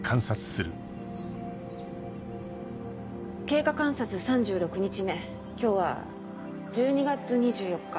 経過観察３６日目今日は１２月２４日